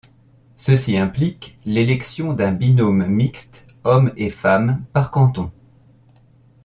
Ceci implique l'élection d'un binôme mixte homme et femme par canton.